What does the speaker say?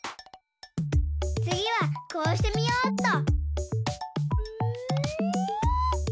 つぎはこうしてみようっと。